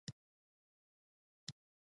توره او سپر دلته جوړیدل